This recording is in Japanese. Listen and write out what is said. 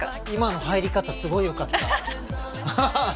今の入り方すごいよかったアハハ